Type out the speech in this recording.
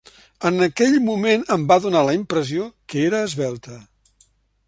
En aquell moment em va donar la impressió que era esvelta.